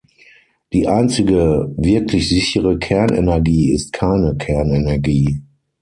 Die einzige wirklich sichere Kernenergie ist keine Kernenergie.